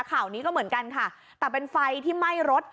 ข่าวนี้ก็เหมือนกันค่ะแต่เป็นไฟที่ไหม้รถ